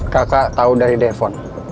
kakak tau dari depon